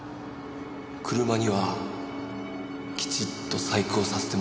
車にはきちっと細工をさせてもらうよ。